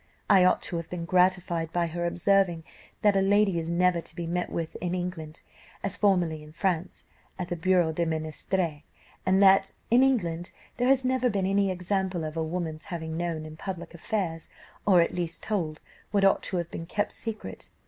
I ought to have been gratified by her observing, that a lady is never to be met with in England, as formerly in France, at the Bureau du Ministre; and that in England there has never been any example of a woman's having known in public affairs, or at least told, what ought to have been kept secret.